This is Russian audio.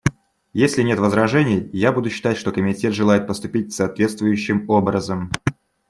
Если нет возражений, я буду считать, что Комитет желает поступить соответствующим образом.